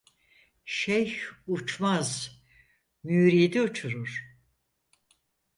Şeyh uçmaz, müridi uçurur.